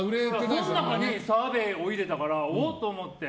その中に澤部を入れたからおっと思って。